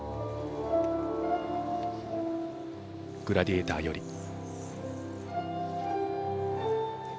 「グラディエーター」より。